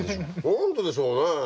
何ででしょうね。